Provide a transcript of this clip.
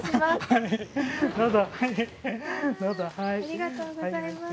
ありがとうございます。